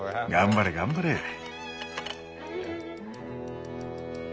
頑張れ頑張れ！